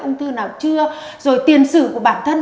ung thư nào chưa rồi tiền sử của bản thân